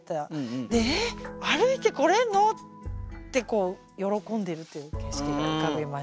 で「え！歩いて来れるの？」って喜んでいるという景色が浮かびました。